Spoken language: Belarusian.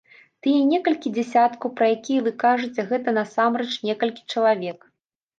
Тыя некалькі дзесяткаў, пра якія вы кажаце, гэта насамрэч некалькі чалавек.